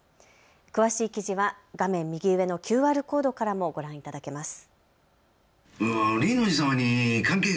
詳しい記事は画面右上のＱＲコードからもご覧いただけます。